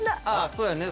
そうやね。